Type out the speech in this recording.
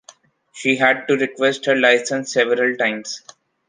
She had to request her license several times.